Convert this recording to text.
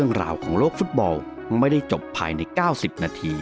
สวัสดีครับ